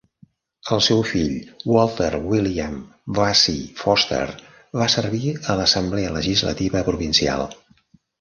El seu fill, Walter William Vassie Foster, va servir a l'assemblea Legislativa provincial.